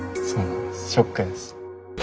ショックです。